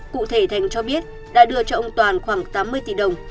cụ thể thành cho biết đã đưa cho ông toàn khoảng tám mươi tỷ đồng